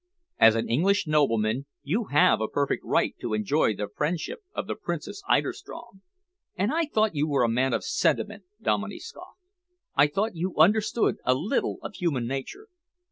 As an English nobleman you have a perfect right to enjoy the friendship of the Princess Eiderstrom." "And I thought you were a man of sentiment!" Dominey scoffed. "I thought you understood a little of human nature.